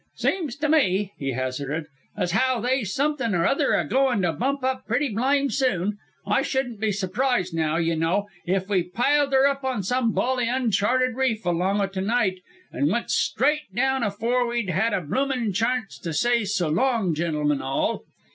"Seems to me," he hazarded, "as haow they's somethin' or other a goin' to bump up pretty blyme soon. I shouldn't be surprised, naow, y'know, if we piled her up on some bally uncharted reef along o' to night and went strite daown afore we'd had a bloomin' charnce to s'y 'So long, gen'lemen all.'"